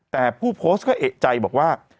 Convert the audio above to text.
แต่ผู้โพสต์ก็เอกใจบอกว่า